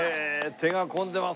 手が込んでますね。